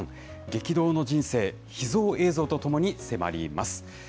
激動の人生、秘蔵映像とともに迫ります。